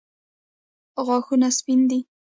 غاښونه سپین دي.